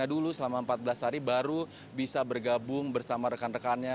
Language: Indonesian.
mereka masih harus menjalani karantina dulu selama empat belas hari baru bisa bergabung bersama rekan rekannya